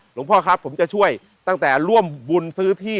หลวงพ่อครับผมจะช่วยตั้งแต่ร่วมบุญซื้อที่